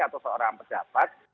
atau seorang pejabat